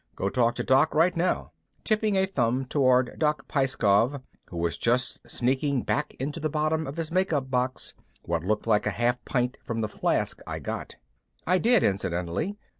Go talk to Doc right now," tipping a thumb toward Doc Pyeskov, who was just sneaking back into the bottom of his makeup box what looked like a half pint from the flask I got. I did, incidentally.